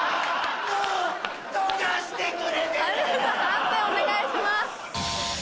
判定お願いします。